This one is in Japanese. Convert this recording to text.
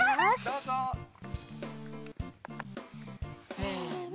せの。